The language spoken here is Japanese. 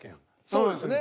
そうですね。